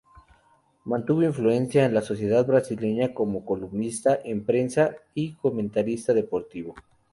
Mantuvo su influencia en la sociedad brasileña como columnista en prensa y comentarista deportivo.